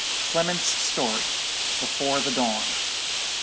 CLEMENT'S STORY.—BEFORE THE DAWN.